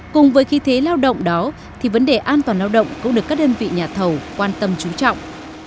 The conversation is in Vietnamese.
cùng với khí thế lao động đó thì vấn đề an toàn lao động cũng được các đơn vị nhà thầu quan tâm trú trọng